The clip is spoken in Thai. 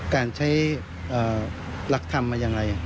การใช้หลักธรรมมาอย่างไร